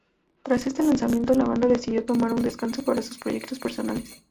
Tras este lanzamiento, la banda decidió tomar un descanso para sus proyectos personales.